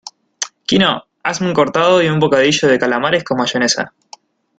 Quino, hazme un cortado y un bocadillo de calamares con mayonesa.